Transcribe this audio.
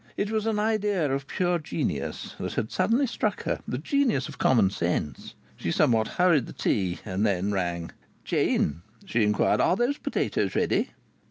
It was an idea of pure genius that had suddenly struck her; the genius of common sense. She somewhat hurried the tea; then rang. "Jane," she inquired, "are those potatoes ready?"